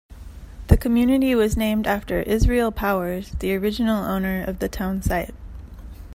The community was named after Israel Powers, the original owner of the town site.